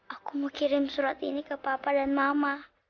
aku mau kirim surat ini ke papa dan mama